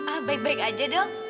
ah baik baik aja dong